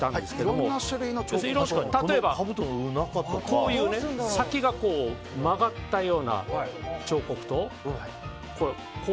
こういう先が曲がったような彫刻刀。